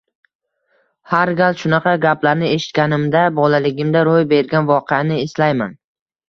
Har gal shunaqa gaplarni eshitganimda bolaligimda ro‘y bergan voqeani eslayman.